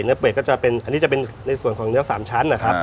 เป็ดก็จะเป็นอันนี้จะเป็นในส่วนของเนื้อ๓ชั้นนะครับ